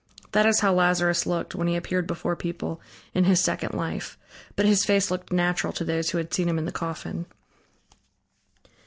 That is how Lazarus looked when he appeared before people, in his second life, but his face looked natural to those who had seen him in the coffin.